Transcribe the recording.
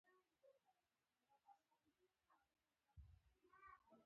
مجاهد د شریعت پیرو وي.